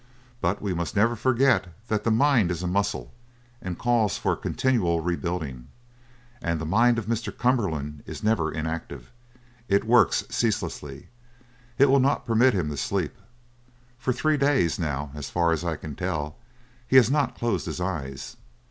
But we must never forget that the mind is a muscle and calls for continual rebuilding. And the mind of Mr. Cumberland is never inactive. It works ceaselessly. It will not permit him to sleep. For three days, now, as far as I can tell, he has not closed his eyes.